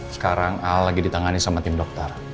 sekarang lagi ditangani sama tim dokter